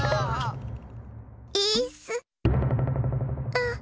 あっ！